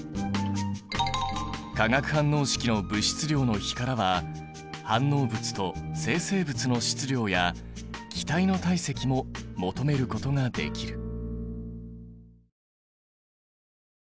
化学反応式の物質量の比からは反応物と生成物の質量や気体の体積も求めることができる。